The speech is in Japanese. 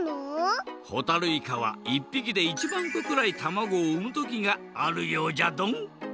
ほたるいかは１ぴきで１まんこくらいたまごをうむ時があるようじゃドン。